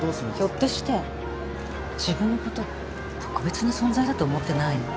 ひょっとして自分のこと特別な存在だと思ってない？